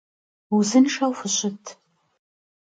Vuzınşşeu fışıt!